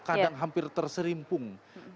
kadang hampir terserimpung